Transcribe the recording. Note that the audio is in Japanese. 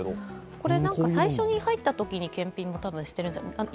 これ最初に入ったときに検品してるんじゃないかと。